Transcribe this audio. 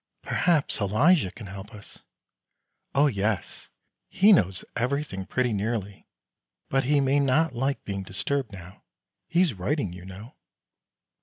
"Perhaps Elijah can help us." "Oh yes, he knows everything pretty nearly; but he may not like being disturbed now he's writing, you know."